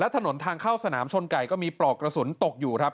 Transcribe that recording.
ถนนทางเข้าสนามชนไก่ก็มีปลอกกระสุนตกอยู่ครับ